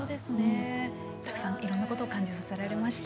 たくさんいろいろなことを感じさせられました。